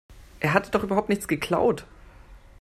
Er hatte doch überhaupt nichts geklaut.